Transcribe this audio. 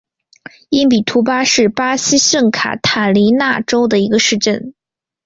因比图巴是巴西圣卡塔琳娜州的一个市镇。